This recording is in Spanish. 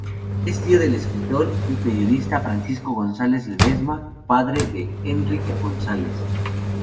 Es tío del escritor y periodista Francisco González Ledesma, padre de Enric González.